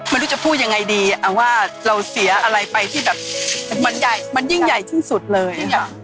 ไม่รู้จะพูดยังไงดีว่าเราเสียอะไรไปที่แบบมันใหญ่มันยิ่งใหญ่ที่สุดเลย